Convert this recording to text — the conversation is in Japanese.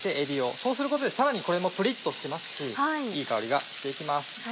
そうすることでさらにこれもプリっとしますしいい香りがして行きます。